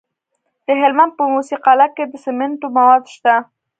د هلمند په موسی قلعه کې د سمنټو مواد شته.